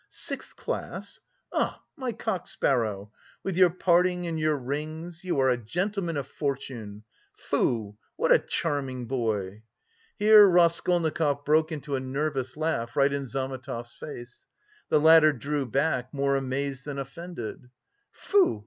"Sixth class! Ah, my cock sparrow! With your parting and your rings you are a gentleman of fortune. Foo! what a charming boy!" Here Raskolnikov broke into a nervous laugh right in Zametov's face. The latter drew back, more amazed than offended. "Foo!